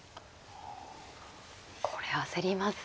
これ焦りますね。